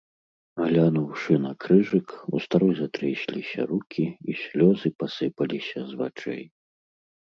Глянуўшы на крыжык, у старой затрэсліся рукі, і слёзы пасыпаліся з вачэй.